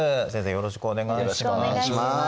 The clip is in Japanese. よろしくお願いします。